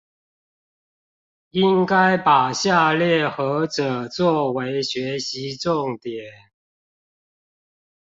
應該把下列何者做為學習重點？